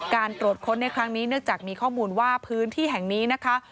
การตรวจค้นในครั้งนี้เนื่องจากมีข้อมูลว่าพื้นที่แห่งนี้นะคะ